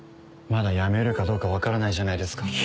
まだやめるかどうか分からないじゃないですか。